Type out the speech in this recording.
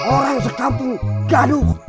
orang sekampung jaduk